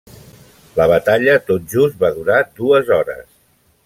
La batalla tot just va durar dues hores.